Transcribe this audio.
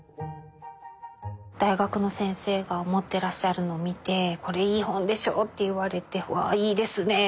大学の先生が持ってらっしゃるのを見てこれいい本でしょう？って言われてわいいですね